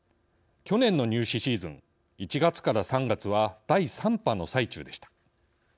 去年の入試シーズン１月から３月は第３波の最中でした。